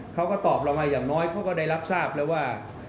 เขาก็ตอบเรามาอย่างน้อยเขาก็ได้รับทราบแล้วว่า